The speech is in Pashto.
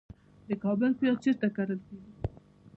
د کابل پیاز چیرته کرل کیږي؟